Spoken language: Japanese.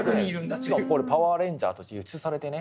しかもこれ「パワーレンジャー」として輸出されてね。